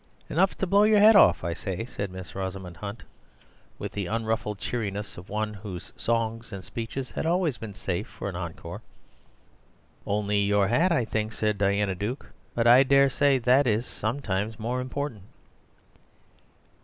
"Enough to blow your head off, I say," said Miss Rosamund Hunt, with the unruffled cheeriness of one whose songs and speeches had always been safe for an encore. "Only your hat, I think," said Diana Duke, "but I dare say that is sometimes more important."